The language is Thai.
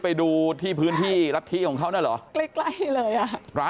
แล้วพี่เขาบอกเขารับมาจากสำนักตรงนั้นหรือเปล่า